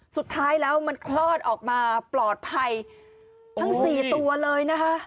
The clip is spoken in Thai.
สุดท้ายแล้วมันคลอดออกมาปลอดภัยทั้งสี่ตัวเลยนะคะ